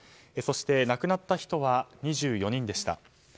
そして亡くなった人は２４人でした。